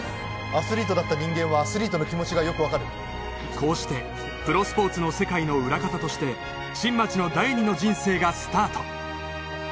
アスリートだった人間はアスリートの気持ちがよく分かるこうしてプロスポーツの世界の裏方として新町の第二の人生がスタート！